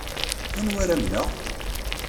Anwa ara amneɣ?